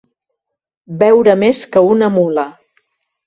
Beure més que una mula.